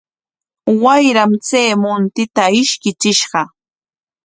Wayram chay muntita ishkichishqa.